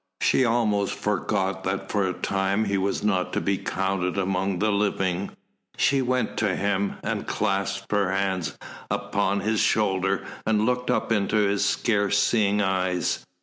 She almost forgot that for the time he was not to be counted among the living. She went to him, and clasped her hands upon his shoulder, and looked up into his scarce seeing eyes.